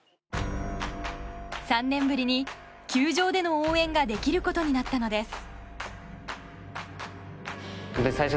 ３年ぶりに球場での応援ができることになったのです。